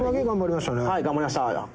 はい頑張りました。